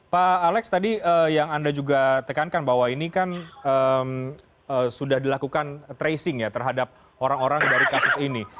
pak alex tadi yang anda juga tekankan bahwa ini kan sudah dilakukan tracing ya terhadap orang orang dari kasus ini